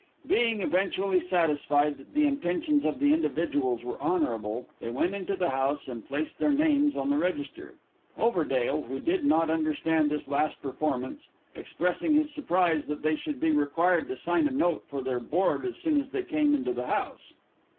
Being eventually satisfied that the intentions of the individuals were honorable, they went into the house and placed their names on the register; Overdale, who did not understand this last performance, expressing his surprise that they should be required to sign a note for their board as soon as they came into the house.